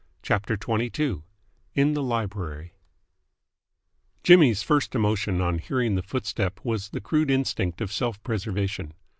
CHAPTER XXII IN THE LIBRARY Jimmy's first emotion on hearing the footstep was the crude instinct of self preservation.